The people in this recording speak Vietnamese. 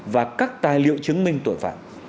và các tài liệu chứng minh tội phạm